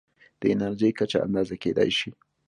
د انرژۍ کچه اندازه کېدای شي.